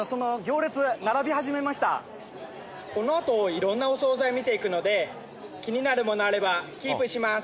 このあといろんなお総菜見ていくので気になるものあればキープします。